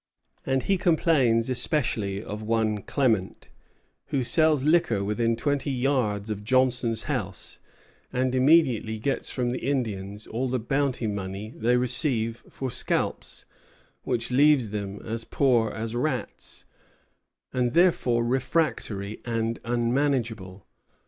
And he complains especially of one Clement, who sells liquor within twenty yards of Johnson's house, and immediately gets from the Indians all the bounty money they receive for scalps, "which leaves them as poor as ratts," and therefore refractory and unmanageable.